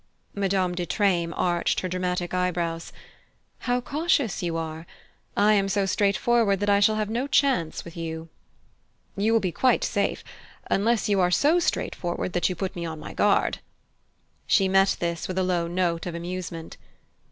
Madame de Treymes arched her dramatic eyebrows. "How cautious you are! I am so straightforward that I shall have no chance with you." "You will be quite safe, unless you are so straightforward that you put me on my guard." She met this with a low note of amusement.